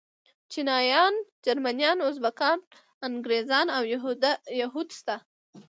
چيچنيايان، جرمنيان، ازبکان، انګريزان او يهود شته.